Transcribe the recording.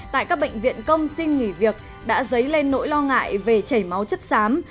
tại các bệnh viện công xin nghỉ việc đã dấy lên nỗi lo ngại về chảy máu chất xám